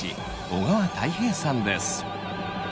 小川泰平さんです。